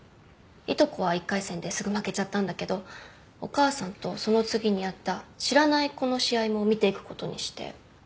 いとこは１回戦ですぐ負けちゃったんだけどお母さんとその次にあった知らない子の試合も見ていくことにして。